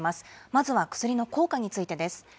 まずは薬の効果についてです。